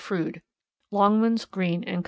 Froude. (Longmans, Green and Co.)